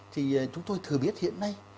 thì chúng tôi thừa biết hiện nay